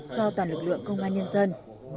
cho toàn lực lượng công an nhân dân